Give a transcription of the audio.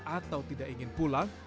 atau tidak ingin pulang